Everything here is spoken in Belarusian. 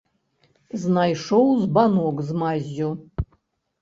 Знайшоў збанок з маззю.